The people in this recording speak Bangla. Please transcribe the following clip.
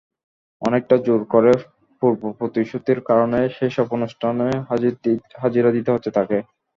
অনেকটা জোর করে পূর্বপ্রতিশ্রুতির কারণেই সেসব অনুষ্ঠানে হাজিরা দিতে হচ্ছে তাঁকে।